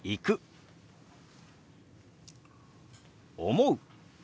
「思う」。